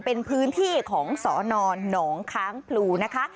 เป็นพื้นที่ของสนหนองค้างพลูนะคะ